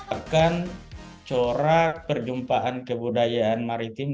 akan corak perjumpaan kebudayaan maritim